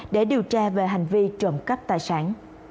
để điều tra về hành vi trộm cắp tài sản